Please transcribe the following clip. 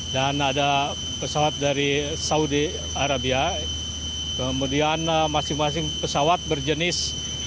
dan ada pesawat dari saudi arabia kemudian masing masing pesawat berjenis